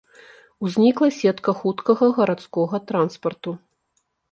Узнікла сетка хуткага гарадскога транспарту.